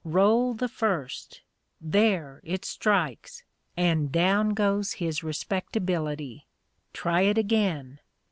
Roll the first there! it strikes! and down goes his respectability. Try it again.